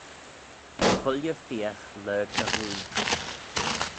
Dy chooilley feeagh lurg e ghooie.